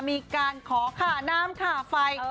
มีการข่าวน้ำข่าวไฟ